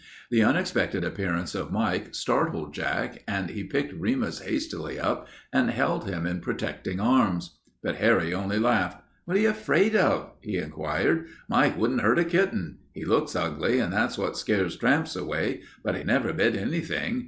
The unexpected appearance of Mike startled Jack, and he picked Remus hastily up and held him in protecting arms. But Harry only laughed. "What you 'fraid of?" he inquired. "Mike wouldn't hurt a kitten. He looks ugly and that's what scares tramps away, but he never bit anything.